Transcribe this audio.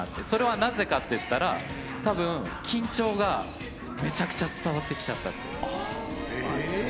それはなぜかっていったら、たぶん、緊張がめちゃくちゃ伝わってきちゃったっていう。